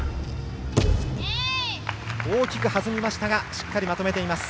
大きく弾みましたがしっかりまとめています。